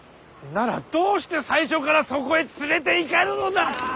ならどうして最初からそこへ連れていかぬのだ！